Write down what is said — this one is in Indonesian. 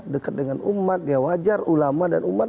dekat dengan umat ya wajar ulama dan umat